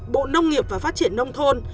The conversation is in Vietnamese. bộ nông nghiệp và phát triển nông thôn